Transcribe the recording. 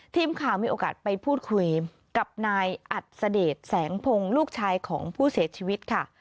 ทีมข่าวมีโอกาสไปพูดคุยกับนายอัศเดชแสงพงศ์ลูกชายของผู้เสียชีวิตค่ะ